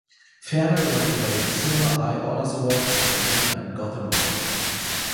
Ferner gewann sie bei den Cinema Eye Honors Awards und erhielten einen Gotham Award.